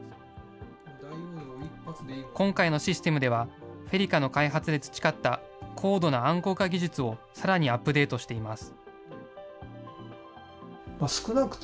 今回のシステムでは、フェリカの開発で培った高度な暗号化技術をさらにアップデートしています。